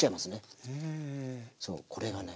そうこれがね。